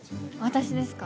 私ですか？